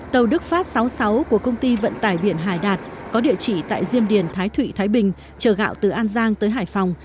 tàu đức pháp sáu mươi sáu của công ty vận tải biển hải đạt có địa chỉ tại diêm điền thái thụy thái bình chở gạo từ an giang tới hải phòng